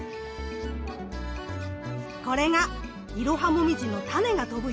これがイロハモミジのタネが飛ぶ様子。